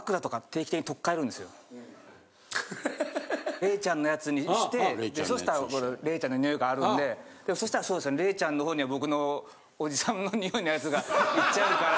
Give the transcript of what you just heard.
怜ちゃんのやつにしてそしたら怜ちゃんの匂いがあるんでそしたらそうですね怜ちゃんの方には僕のおじさんの匂いのやつがいっちゃうから。